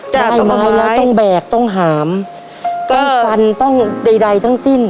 ตายมาแล้วต้องแบกต้องหามต้องฟันต้องใดใดทั้งสิ้น